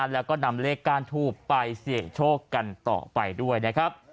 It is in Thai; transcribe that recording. แล้วก็นำเลขก้านทูบไปเสี่ยงโชคกันต่อไปด้วยนะครับ